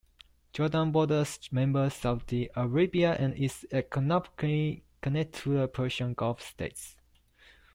Jordan borders member Saudi Arabia and is economically connected to the Persian Gulf States.